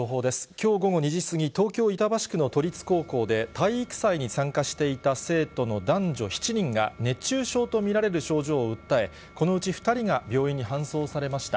きょう午後２時過ぎ、東京・板橋区の都立高校で、体育祭に参加していた生徒の男女７人が、熱中症と見られる症状を訴え、このうち２人が病院に搬送されました。